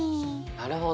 なるほど。